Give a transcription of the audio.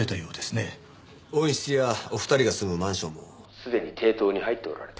温室やお二人が住むマンションもすでに抵当に入っておられた。